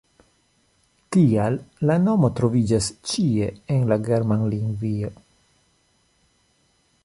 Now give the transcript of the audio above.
Tial la nomo troviĝas ĉie en la Germanlingvio.